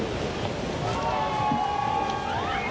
ถือว่าชีวิตที่ผ่านมายังมีความเสียหายแก่ตนและผู้อื่น